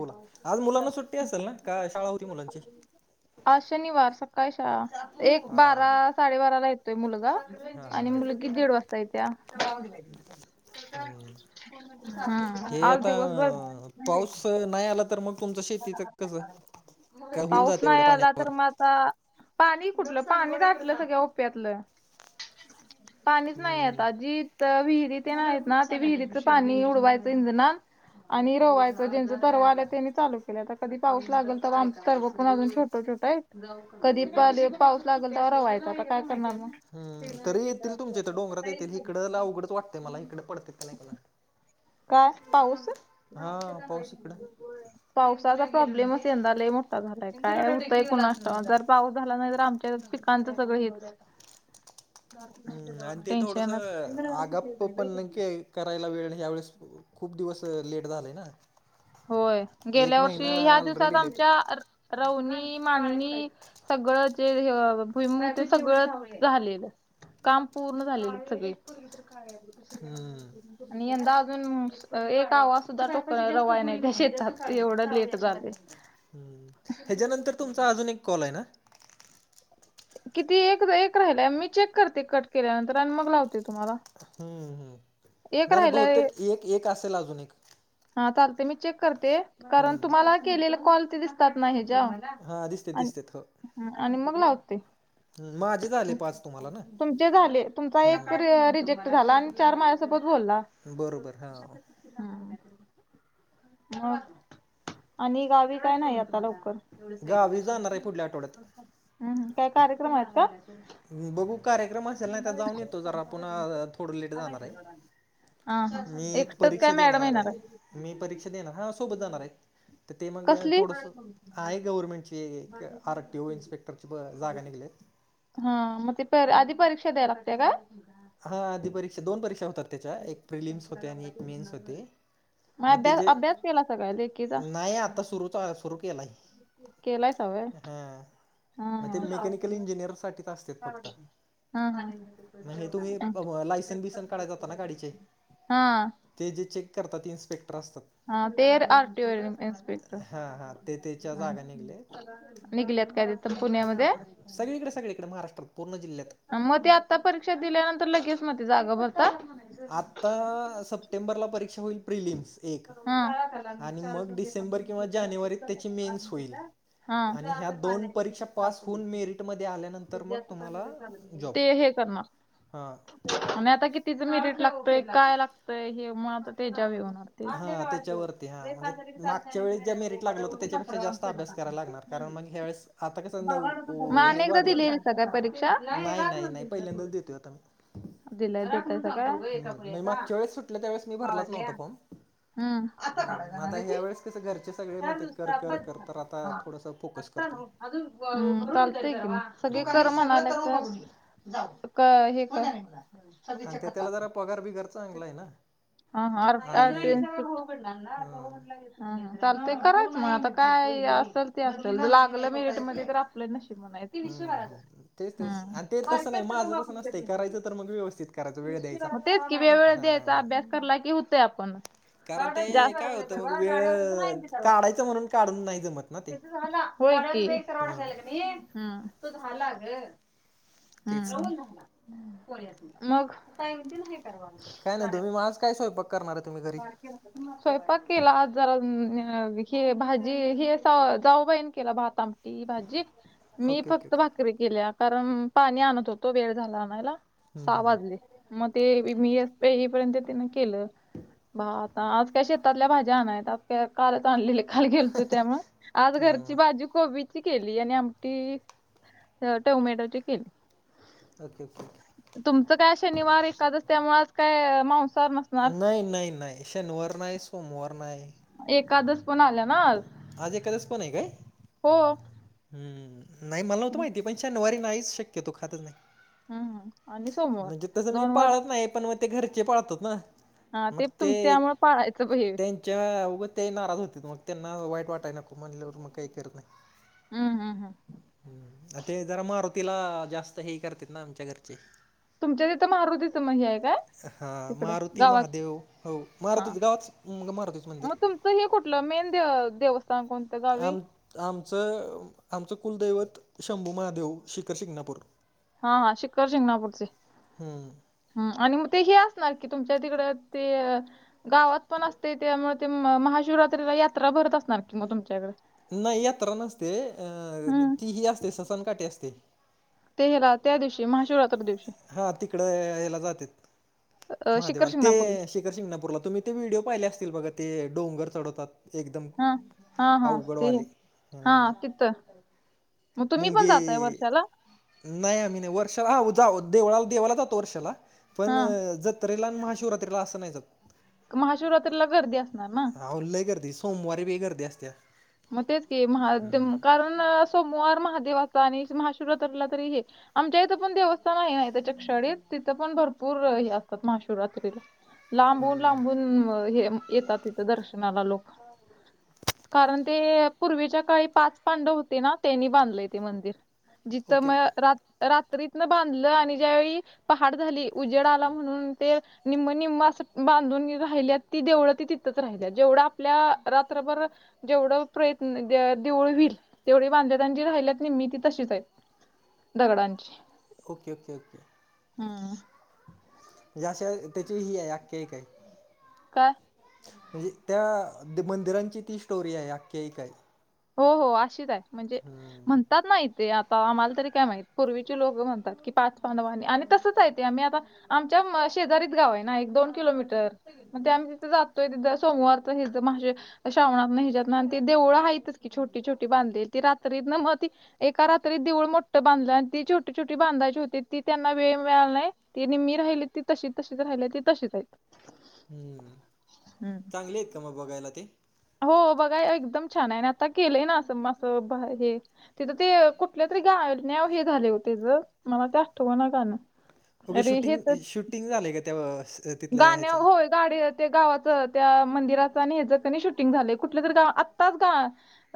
बोला. आज मुलांना सुट्टी असेल ना, का शाळा होती मुलांची? आज शनिवार सकाळी शाळा. एक हा बारा साडेबाराला येतोय मुलगा. हा हा आणि हा मुलगी दीड वाजता येत्या. हम्म हम्म हे आज आता दिवसभर अ, पाऊस नाही आला तर मग तुमचं शेतीच कसं, काय होऊन जातं एवढ्या पाण्यावर? अं पाणी कुठलं पाणीच आटलं सगळं ओप्यातलं. पाणीच नाही हम्म आता जी विहिरी ते आहेत ना ते विहिरीच पाणी उडवायचं इंजनात. आणि रोवायचं ज्यांचं तरवा आलं तेनी चालू आता कधी पाऊस लागल, तेव्हा आमच तरव पण अजून छोटं छोटं आहेत. कधी पाऊस लागेल तवा रवायचां आता काय करणार मग. हम्म तरी येतील तुमच्या इथं तर डोंगरात येतील इकडं ला अवघडच वाटते मला इकडे पडते का नाही कुणास ठा- काय पाऊस? हा पाऊस इकडं. होय पावसाचा प्रॉब्लेमच यंदा लय मोठा झालाय काय होतं कोणास ठाऊक जर पाऊस झाला नाही तर आमच्या आमचं सगळं हेच. हम्म आणि ते थोडस टेन्शनच आगाप पण के करायला वेळ ह्यावेेळेस खूप दिवस लेट झालं आहे ना. होय एक गेल्या महिना वर्षी ह्या दिवसात ऑलरेडी लेट आमच्या रवनी, मांगणी सगळं जे हे भुईमूग ते सगळं झालेलं आहे. काम पूर्ण झाले सगळी हम्म आणि यंदा अजून एक आवा सुद्धा रवाय नाही. शेतात एवढं लेट झाले. हम्म ह्याच्यानंतर तुमचा अजून एक कॉल आहे ना. किती एक एक राहिलाय मी चेक करते. कट केल्यानंतर आणि मग लावते तुम्हाला. हम्म हम्म एक नाही नाही राहिलाय बहुतेक एक एक असेल अजून एक हा चालते मी चेक करते हम्म. कारण तुम्हाला केलेले कॉल ते दिसतात ना हच्यावर. हा दिसतेत दिसतेत ह ह आणि मग लावते. माझे झाले पाच तुम्हाला ना तुमचे झाले तुमचा हा एक रिजेक्ट झाला आणि चार माझ्यासोबत बोलला बरोबर हा. हमं मग आणि गावी काय नाही आता लवकर. गावी जाणार आहे पुढल्या आठवड्यात. काय कार्यक्रम आहेत काय? बघू कार्यक्रम असेल नाही तर जाऊन येतो, जरा पुन्हा थोडं लेट जाणार आहे. हा हा. मी एक एकटंच काय परीक्षा मॅडम देणार येणार आहे. मी परीक्षा देणार हा सोबत जाणार आहे. तर ते मग कसली थोडसं आहे गव्हर्नमेंटची एक आर टी ओ इन्स्पेक्टरची ब जागा निघलेत हा म ते प आधी परीक्षा द्यायला लागते काय? हा आधी परीक्षा दोन परीक्षा होतात त्याच्या एक प्रिलिम्स होते आणि एक मेन्स होते. मग अभ्यास तिचे अभ्यास केला सगळ्या लेखीचा नाही आता सुरूच सुरू केलाय. केलायच होय हम् निरसाठीच असत्यात हा ह हे तुम्ही लायसन बिसन काढायला जाता ना गाडीचे. हा ते जे चेक करतात ते इन्स्पेक्टर असतात. हा ते आरटीओ इन्स्पेक्टर हां हां ते त्याच्या जागा निघले निघल्यात काय तिथ सगळीकडे सगळीकडे महाराष्ट्रात पूर्ण जिल्ह्यात. मग ते आत्ता परीक्षा दिल्यानंतर लगेच मग ते जागा भरता. आता सप्टेंबरला परीक्षा होईल प्रिलिम्स. एक हा आणि मग डिसेंबर किंवा जानेवारीत त्याची मेन्स होईल. हा आणि ह्या दोन परीक्षा पास होऊन मेरिट मध्ये आल्यानंतर मग तुम्हाला ते हे करणार हा आणि आता कितीच मेरिट लागतय काय लागतय हे मग आता त्याच्यावर हे होणार. चांले हा काय वाटतो त्याच्यावरती हा वे पां म्हणजे तरी मागच्या वेळेस ज्या चालत मेरिट बर लागलं होतं उर त्याच्यापेक्षा जास्त अभ्यास करायला लागणार कारण मग ह्यावेेळेस आता कसं म न हे अनी एकदा वाढलं की दिलेलीसा का काय परीक्षा नाही नाही नाही पहिल्यांदाच देतोय आता मी दिला दटच काय म्हणजे एका मागच्या वेळेस सुटलं त्यावेळेस मी भरलाच बावडल्या नव्हता फॉर्म हम् आता काढाय हम्म मग आता जाणार ती ह्या वेळेस कसं घरचे सगळे चार म्हणतात दिवस कर कर कर तर आता थोडंसं फोकस आता करतोय नव्ह ह चालतंय की मग सगळे कर म्हणाले तर का हे कर आणि त्या त्याला जरा पगार बिगार चांगला आहे ना हा हार आणि ह चाल ते करायचं मग आता काय असल लागलं मिरिट मध्ये तर आपल नशीब म्हणाय तेच हम्म तेच आणि ते तसं नाही बारक्याच करून माझं तसं नसतंय करायचं तर मग व्यवस्थित करायचं वेळ द्यायचा म तेच की वेळवेगळ द्यायचा हा अभ्यास ठरला की होतय आपणच कारण ते काय होतं मग वेळ काढायचं म्हणून काढून नाही जमत ना ते होय की झाडावरच एक हा तरवड की नाही तो झाला ग तेच राहून झाला मग काय नाही तुम्ही म आज काय स्वयंपाक करणार आहे तुम्ही घरी हम्म स्वयंपाक केला जरा हे भाजी हे जाऊबाईण केला भात आमटी ती भाजीत मी ओके ओके फक्त ओके भाकरी केल्या कारण पाणी आणत होतो वेळ झाला आणायला सहा वाजले म ते मी असते येईपर्यंत तीन के केलं बा आता आज का शेतातल्या भाज्या आणाय त्यात काय कालच आणलेले खाली गेलतो त्या मूळ आज घरची हम्म भाजी कोबी ची केली आणि आमटी टोमॅटोची केली ओके, ओके, ओके तुमचं काय शनिवार एकादश त्यामुळे आज काय मांसाहार नस नाही, नाही, नाही शनिवार नाही सोमवार नाही एकादश पण आल्या ना आज आज एकादश पण आहे काय हो हम्म नाही मला नव्हत माहिती पण शनिवारी नाहीच शक्यतो खातच नाही हं. आणि सोमवार. म्हणजे तसं मी वार पाळत नाही पण म ते घरचे पाळतात ना हा ते तुम त्यामुळे पाळायचं ब हे च्या उगं ते नाराज होत्यात मग त्यांना वाईट वाटाय नको म्हणल्यावर मग काही करत नाही ह, ह, ह हम्म ते जरा मारुतीला जास्त हे करते ना आमच्या घरचे तुमच्या त इथं मारुतीचं म्हणजे आहे काय हा तिकडं मारुती गावात महादेव हो ह मारुतीच गावात मारुतीच मंदिर म तुमचं हे कुठलं मेन दे देवस्थ ता कोणत गाव आम आमचं आमचं कुलदैवत शंभू महादेव शिखर शिंगणापूर हा, हा शिखर शिंगणापूरचे हम्म हम्म आणि म ते हे असणार कि तुमच्या तिकड ते गावात पण असते ते त्यामुळे ते महाशिवरात्रीला यात्रा भरत असणार कि म तुमच्याइकड नाही यात्र नसते अ हं. तीही असते ससनकाठीे असते ते ह्यला त्या दिवशी महाशिवरात्र दिवशी हा तिकड ह्याला जातेत अ, शिखर महादेवाला ते शिंगणापूरला. शिक शिंगणापूरला तुम्ही ते व्हिडिओ पाहिले असतील बघ ते डोंगर चढवतात एकदम हां. हां, हां. ते आवगडवाले ह हां, तिथं. मग तुम्ही पण मुंगे जाताय वर्षाला? नाही आम्ही नाही वर्षाला हा जाऊ देळाला देवाला जातो वर्षाला पण हां. जत त्रेला आन महाशिवरात्रीला असं नाही जात महाशिवरात्रीला गर्दी असणार ना. आहो लय गर्दी सोमवारी पे हे कर असते अस. मेज क महादम कारण सोमवार महादेवाचा आणि महाशुरातरला तरी हे आमच्या इथं पण देवस्थ नाही नाही त्याच्या क्षळेत तिथं पण भरपूर हे असतात महाशिवरात्रीला. लांबून लांबून हे येतात तथं दर्शनाला लोक कारण ते पूर्वीच्या काळी पाच पांडव होते ना त्यांनी बांधलेय ते मंदिर जिथ ओके म ओके रात्रीतन बांधलं आणि ज्यावेळी पहाड झाली उजेड आला म्हणून ते निम्म निम्म असं बांधून राहिली ती देवढं ती तिथंच राहिली जेवढं आपल्या रात्रभर जेवढं प्रयत्न देवळ होईल तेवढी वांल्याांजी राहिल्यात निती तशीच आहे. दगडांची. Okay okay okay. हा. जेशा त्याची ही आहे केक आहे. का? म्हणजे त्या मंदिरांची ती स्टोरी आहे आख्ख्या ह काही हो हो अशीच आहे म्हणजे हम्म म्हणतात नाहीत. ते आता आम्हाला तरी काय माहित पूर्वीचे लोक म्हणतात की पाच पानवानी आणि तसंच आहे ते आम्ही आता आमच्या शेजारीत गाव आहे ना एक दोन किलोमीटर मग ते आम्ही तिथे जातोय ति सोमवारचि माझे श्राणात नाही हिजात नाही आणि ते देळं आहेतच. की छोटी छोटी बांधेल ती रात्री ना मग ती एका रात्री देवऊळ मोठं बांधलं आणि ती छोटी छोटी बांधायची होती ती त्यांना वेळ मिळाला नाही. तने मी राहिली ती तशीच तशीच राहिली ती तशीच आहेत. हम्म चांगले आहेत का मग बघायला ते हो बघा एकदम छान आहे आणि आता केलंय ना असं मं हे. तिथं ते कुठल्या तरी गाय नव हे झाले होतेच मला ते आठव ना गाणं. ओगे अरे हे शूटिंग तर शूटिंग झालेय का तेव गाण्या होय. गाडी ते गावाचं त्या मंदिराच आणि ह ज त्यांनी शूटिंग झालं कुठले तरी गाव आत्ताच ग.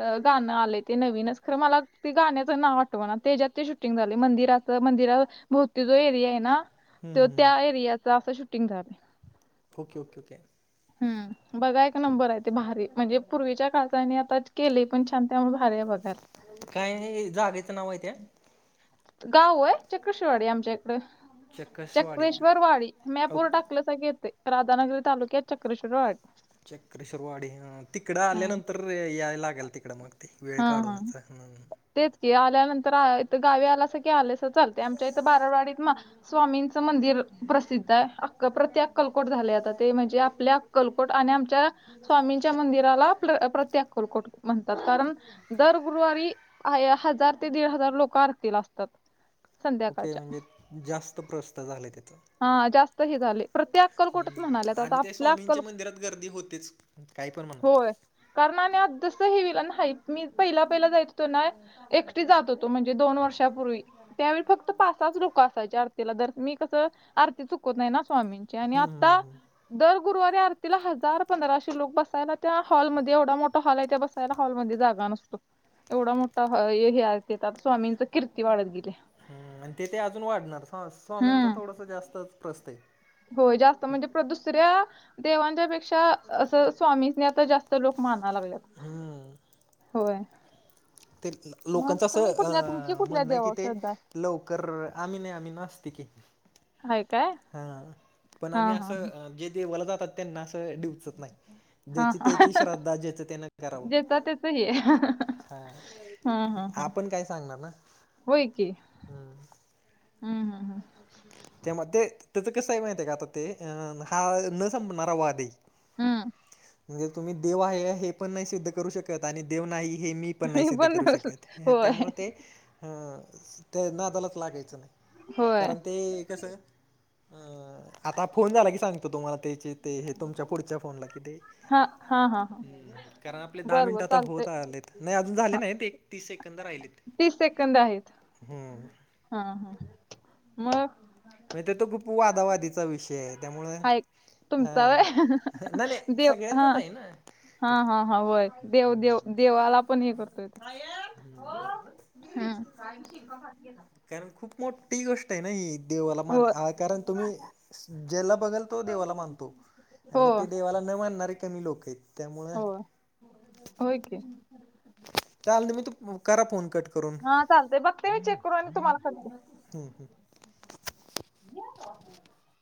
अ गाणं आले ते नवीनच खरं मला ते गाण्याच ना आटवं ना त्याच्यात तेट मंदिर मंदिर भोवती तो एरी आहे ना. हम्म त त्या हम्म एरियाचा असं शूटिंग झालं. Okay okay okay. हम् बघा एक नंबर आहे ते भारी म्हणजे पूर्वीच्या काळचाने आता केले पण छानतमुळे भारी आहे बघा. काय जागेचं नाव आहे ते गाव आहे चक्रशवाडी आमचे चकसवाडी का चक्रेश्वर वाडी मॅप ओके वर टाकलं येते. राधानगरी तालुक्यात चक्रेश्वरवाडी चक्रेश्वरवाडी ह तिकडं हा आल्यानंतर याय लागेल तिकडं मग ते वेळ हा हा काढूनच. तेच की आल्यानंतर इथ गावी आलास की आलेस चालते आमच्या इथ बारावाडीत. स्वामींचं मंदिर प्रसिद्ध आहे अ प्रत्ये कलकोट झाले आता ते म्हणजे आपल्या कलकोट आणि आमच्या स्वामींच्या मंदिराला प्रत्येक कलकोट म्हणतात कारण दर गुरुवारी हजार ते दीड हजार लोक आरतील असतात. ओके संध्याकाळच्या म्हणजे जास्त प्रस्त झाले त्याचा हा जास्त हे झाले. प्रत्ये अक्कलकोटत म्हणाल्यात आता आणि त्या आपल्या अक्कलो स्वामींच्या मंदिरात गर्दी होतेच काही पण म्हणा होय. कारण आणि आस हेईल नाही मी पहिला पहिला जायच हो तो ना. एकटी जात होतो म्हणजे दोन वर्षापूर्वी त्यावेळी फक्त पासाच लोक असायच्या आरतीला जर मी कसं आरती चुकत नाही ना स्वामी च्यानी हम्म हम्म आत्ता हम्म दर गुरुवारी आरतीला हजार पंधराशे लोक बसायला त्या हॉलमध्ये एवढा मोठा हॉल आहे त्या बसायला हॉलमध्ये जा रान असतो एवढा मोठा हा ए हे आहे ते तर आता स्वामींचा कीर्ती वाढत गेले. हम्म आणि ते ते अजून वाढणार फास स्वामींचा हम्म थोडसा जास्त प्रस्त आहे. होय जास्त म्हणजे प्र दुसऱ्या देवांच्या पेक्षा असं स्वामीसनी आता जास्त लोकं माना लागलयात. हम्म. होय ते मग लोकांचं असं तुम्ही अ कुठल्या तुमची कुठल्या म्हणणं आहे की देवावर ते श्रद्धा आहे? लवकर आम्ही नाही आम्ही नास्तिक आहे. हाय काय? हा पण हा आम्ही हा असं जे देवाला जातात त्यांना असं डीवचत नाही. हा ज्याची हा. त्याची श्रद्धा ज्याच त्यानं करावं ज्याचा त्याच हे हा. हं हं हं. आपण काय सांगणार ना हम्म. हम्म हम्म हा हा. त्या म ते त्याच कसं आहे माहिती आहे का आता ते अं हा न संपणारा वादे हम्म. म्हणजे तुम्ही देव आहे हे पण नाही सिद्ध करू शकत आणि देव नाही हे मी पण नाही सिद्ध करू शकत होय त्यामुळे ते हा ते नादालाच लागायचं नाही होय. कारण ते कसं आता फोन झाला की सांगतो तुम्हाला त्याचे ते हे तुमच्या पुढच्या फोनला कि ते हा हा हा हा. हम्म कारण आपले दहा बर बर मिनिटं आता चालतंय. होत आलेत नाही अजून झाले हा. नाही ते. तीस सेकंद राहिले. तीस सेकंद आहेत हा हा हा मग. माहिते तो ग्रूप वादावादीचा विषय आहे त्यामुळं हाय तुमचा हा नाही नाही देव हा. सगळ्यांचाच आहे ना हा हा हा वय देव देव देवाला आपण हे करतोयत. हम्म. हम्म. कारण खूप मोठी गोष्ट आहे ना ही. देवाला मान होय आय कारण तुम्ही ज्याला बघाल तो देवाला मानतो हो आणि म ते देवाला उना मानणारे कमी लोकं आहेत त्यामुळे हो होय की. चाललं ना मी तू म करा फोन कट करून. हा चालते बघते मी चेक करून तुम्हाला करते. हम्म हम्म. [inaudible]